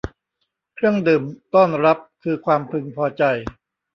เครื่องดื่มต้อนรับคือความพึงพอใจ